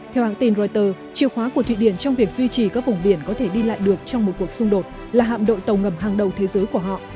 theo hãng tin reuters chìa khóa của thụy điển trong việc duy trì các vùng biển có thể đi lại được trong một cuộc xung đột là hạm đội tàu ngầm hàng đầu thế giới của họ